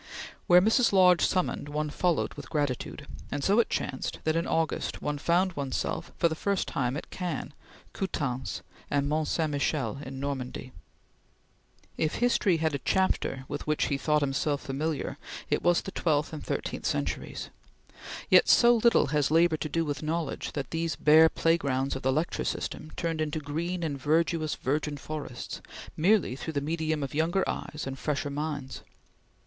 Where Mrs. Lodge summoned, one followed with gratitude, and so it chanced that in August one found one's self for the first time at Caen, Coutances, and Mont Saint Michel in Normandy. If history had a chapter with which he thought himself familiar, it was the twelfth and thirteenth centuries; yet so little has labor to do with knowledge that these bare playgrounds of the lecture system turned into green and verdurous virgin forests merely through the medium of younger eyes and fresher minds.